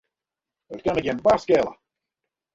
It kin my gjin barst skele.